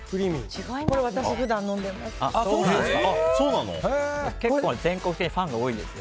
私、これ普段飲んでいます。